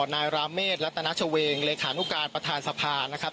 นายราเมฆรัฐนาชเวงเลขานุการประธานสภานะครับ